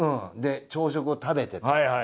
朝食を食べてとか。